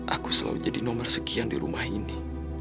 aku selalu jadi nomor sekian di rumah ini